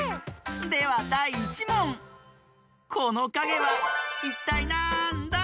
ではだい１もんこのかげはいったいなんだ？